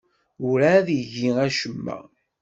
Werɛad igi acemma.